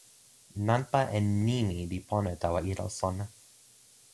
nanpa en nimi li pona tawa ilo sona.